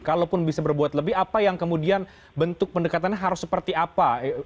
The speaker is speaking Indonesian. kalaupun bisa berbuat lebih apa yang kemudian bentuk pendekatannya harus seperti apa